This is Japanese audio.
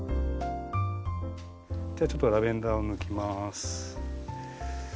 じゃあちょっとラベンダーを抜きます。